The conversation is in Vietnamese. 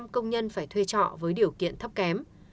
công nhân phải thuê trọ với điều kiện thấp kém